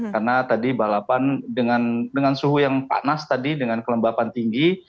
karena tadi balapan dengan suhu yang panas tadi dengan kelembapan tinggi